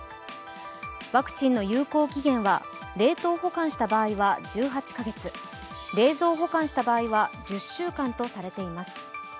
ワクチンの有効期限は冷凍保管した場合は１８か月冷蔵保管した場合は１０週間とされています。